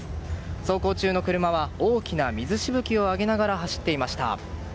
走行中の車は大きな水しぶきを上げながら走っていました。